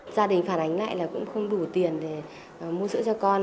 gia đình phản ánh lại là cũng không đủ tiền để mua sữa cho con